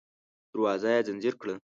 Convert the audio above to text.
دروازه يې ځنځير کړه.